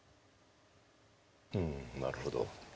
うんなるほど。